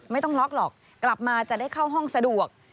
ไม่ต้องล็อกหรอกกลับมาจะได้เข้าห้องสะดวก